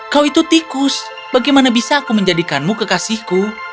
kau itu tikus bagaimana aku bisa menjadikanku sebagai kekasihmu